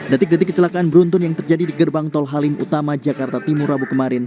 detik detik kecelakaan beruntun yang terjadi di gerbang tol halim utama jakarta timur rabu kemarin